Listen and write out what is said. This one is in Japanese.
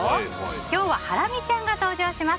今日はハラミちゃんが登場します。